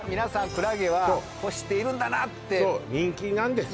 クラゲは欲しているんだなってそう人気なんです